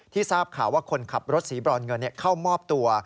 ทราบข่าวว่าคนขับรถสีบรอนเงินเข้ามอบตัว